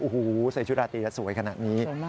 โอ้โหใส่ชุดราตีแล้วสวยขนาดนี้